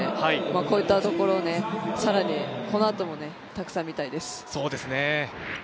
こういったところ、更にこのあともたくさん見たいです。